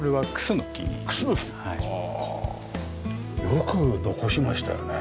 よく残しましたよね。